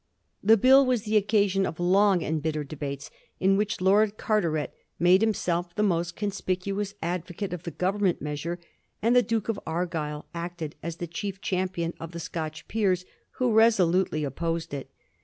The Bill was the occasion of long and bitter debates, in which Lord Carteret made himself the most conspicuous advocate of the Government measure, and the Duke of Argyll acted as the chief champion of the Scotch peers, who resolutely opposed it.